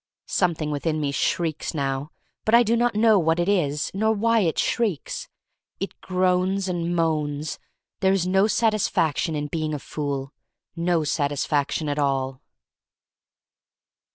Something within me shrieks now, but I do not know what it is — nor why it shrieks. It groans and moans. There is no satisfaction in being a fool — no satisfaction at all.